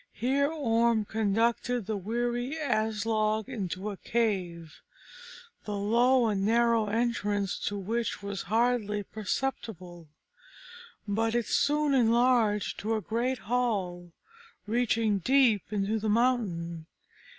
Here Orm conducted the weary Aslog into a cave, the low and narrow entrance to which was hardly perceptible, but it soon enlarged to a great hall, reaching deep into the mountain.